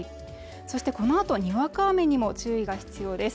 そしてこのあとにわか雨にも注意が必要です